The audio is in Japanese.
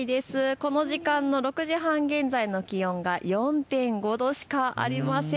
この時間の６時半現在の気温が４．５度しかありません。